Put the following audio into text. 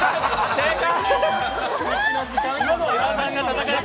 正解！